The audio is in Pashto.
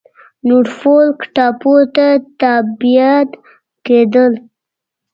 نورفولک ټاپو ته تبعید کېدل.